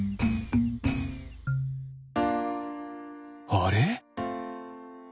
あれ？